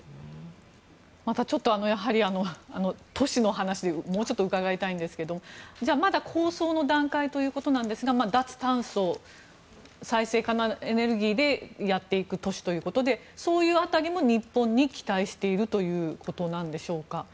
またちょっと都市の話を伺いたいんですがまだ構想の段階ということですが脱炭素、再生可能エネルギーでやっていく都市ということでそういう辺りも日本に期待しているということでしょうか？